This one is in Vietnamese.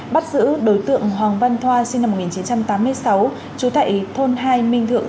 bắt giữ đối tượng hoàng văn thoa sinh năm một nghìn chín trăm tám mươi sáu trú tại thôn hai minh thượng